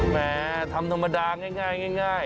แหมทำธรรมดาง่าย